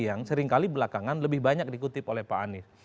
yang seringkali belakangan lebih banyak dikutip oleh pak anies